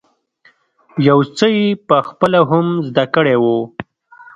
يو څه یې په خپله هم زده کړی وو.